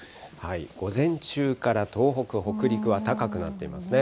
午前中から東北、北陸は高くなっていますね。